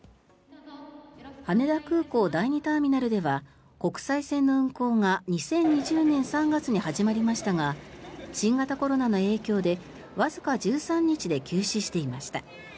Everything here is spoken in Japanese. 羽田空港第２ターミナルでは国際線の運航が２０２０年３月に始まりましたが新型コロナの影響でわずか１３日で休止していました。